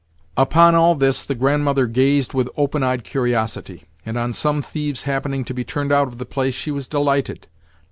Upon all this the Grandmother gazed with open eyed curiosity; and, on some thieves happening to be turned out of the place, she was delighted.